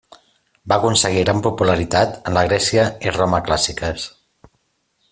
Va aconseguir gran popularitat en la Grècia i Roma clàssiques.